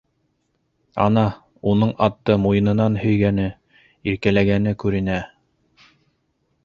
Ана, уның атты муйынынан һөйгәне, иркәләгәне күренә.